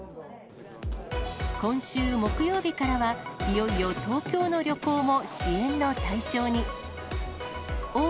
今週木曜日からは、いよいよ東京の旅行も支援の対象に。